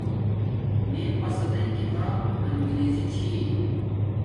میے پسنݵ کتاب انکریزی چھی